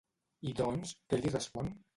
I doncs, què li respon?